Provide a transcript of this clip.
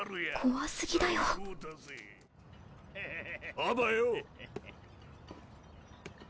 あばよ！